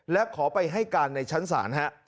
และขอไปให้การในชั้นศาลฮะ